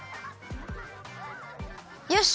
よし！